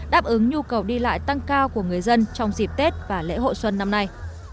đáp ứng nhu cầu đi lại tăng cao của người dân trong dịp tết và lễ hội xuân năm nay